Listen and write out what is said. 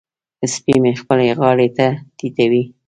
سپی مې خپلې غاړې ته ټيټوي.